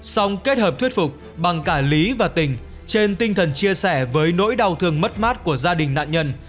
song kết hợp thuyết phục bằng cả lý và tình trên tinh thần chia sẻ với nỗi đau thương mất mát của gia đình nạn nhân